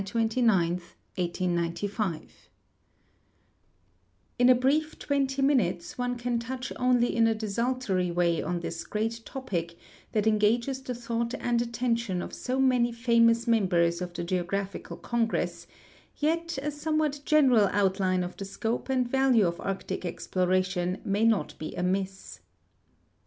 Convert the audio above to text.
W. Greely In a brief twenty minutes one can touch only in a desultory wa}'' on this great topic that engages the thought and attention of so many famous members of the Geogra])hical Congress, yet a somewhat general outline of the scope and value of Arctic ex ploration may not he amiss.